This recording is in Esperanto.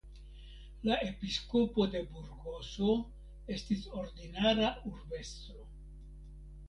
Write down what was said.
La Episkopo de Burgoso estis ordinara urbestro.